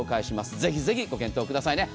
ぜひぜひご検討くださいね。